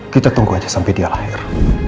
kita tunggu aja sampai dia lahir